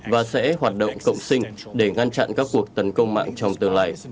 và sẽ hoạt động cộng sinh để ngăn chặn các cuộc tấn công mạng trong tương lai